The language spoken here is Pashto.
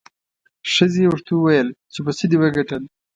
ښځې یې ورته وویل چې په څه دې وګټل؟